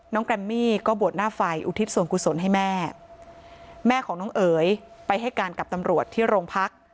แกรมมี่ก็บวชหน้าไฟอุทิศส่วนกุศลให้แม่แม่ของน้องเอ๋ยไปให้การกับตำรวจที่โรงพัก